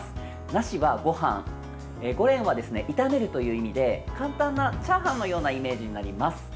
ナシは、ごはんゴレンは炒めるという意味で簡単なチャーハンのようなイメージになります。